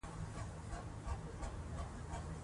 کله چې نجونې خپل مهارتونه شریک کړي، ټولنه پرمختګ کوي.